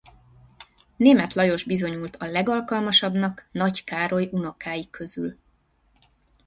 Német Lajos bizonyult a legalkalmasabbnak Nagy Károly unokái közül.